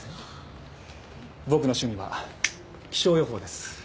僕の趣味は気象予報です。